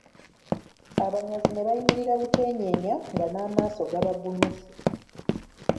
Abanyazi ne bayimirira buteenyeenya nga n'amaaso gabagunuse.